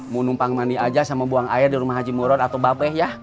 mau numpang mandi aja sama buang air di rumah haji muron atau babeh ya